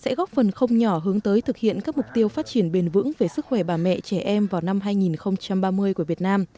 sẽ góp phần không nhỏ hướng tới thực hiện các mục tiêu phát triển bền vững về sức khỏe bà mẹ trẻ em vào năm hai nghìn ba mươi của việt nam